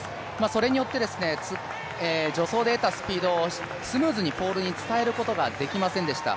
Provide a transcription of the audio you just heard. それによって助走で得たスピードをスムーズにポールに伝えることができませんでした。